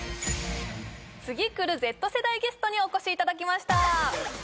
次くるＺ世代ゲストにお越しいただきました